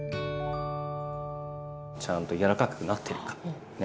ちゃんと柔らかくなってるかね。